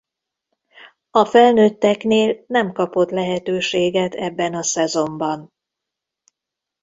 A felnőtteknél nem kapott lehetőséget ebben a szezonban.